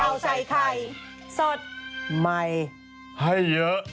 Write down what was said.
ข่าวใส่ไข่สดใหม่ให้เยอะ